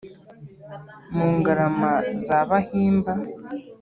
Mu Ngarama za Bahimba;